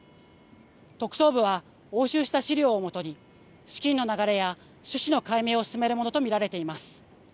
特捜部は押収した資料をもとに資金の流れや趣旨の解明を進めるものと見られています。